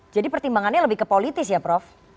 jadi pertimbangannya lebih ke politis ya prof